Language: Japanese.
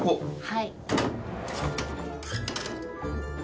はい。